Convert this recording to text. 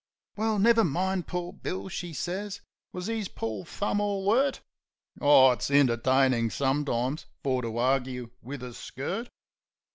"Well, never mind ... Poor Bill!" she sez. "Was 'is poor thumb all 'urt?" (Oh, it's entertainin' sometimes fer to argue wiv a skirt.